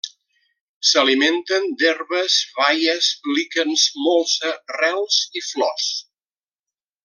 S'alimenten d'herbes, baies, líquens, molsa, rels i flors.